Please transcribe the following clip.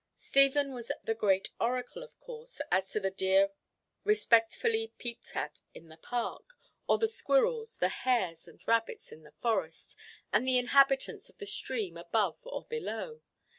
Stephen was the great oracle, of course, as to the deer respectfully peeped at in the park, or the squirrels, the hares and rabbits, in the forest, and the inhabitants of the stream above or below.